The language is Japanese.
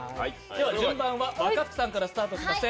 順番は若槻さんからスタートしまして、